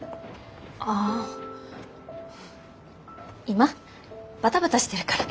今バタバタしてるから。